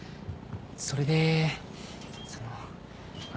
それでそのあの。